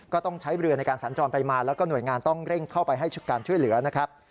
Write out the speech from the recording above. ก็ต้องใช้เรือในการสัญจรไปมาแล้วก็หน่วยงานต้องเร่งเข้าไปให้การช่วยเหลือนะครับ